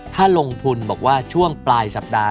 ถ้าลงทุนบอกว่าช่วงปลายสัปดาห์